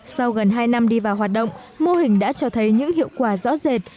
sau gần hai năm đi vào hoạt động mô hình đã cho thấy những hiệu quả rõ rệt